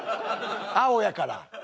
青やから。